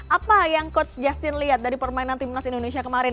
apa yang coach justin lihat dari permainan timnas indonesia kemarin